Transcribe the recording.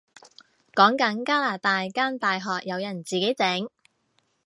講緊加拿大間大學有人自己整